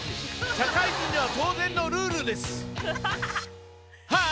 社会人では当然のルールですはぁ？